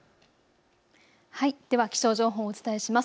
気象情報お伝えします。